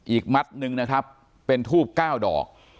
มัดหนึ่งนะครับเป็นทูบ๙ดอก